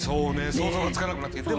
想像がつかなくなってきた。